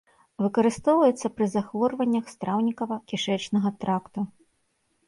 Выкарыстоўваецца пры захворваннях страўнікава-кішэчнага тракту.